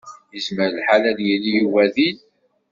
Yezmer lḥal ad yili Yuba din.